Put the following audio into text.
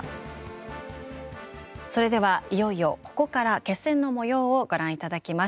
それではいよいよここから決選の模様をご覧頂きます。